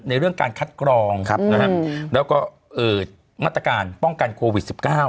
เรื่องการคัดกรองแล้วก็มาตรการป้องกันโควิด๑๙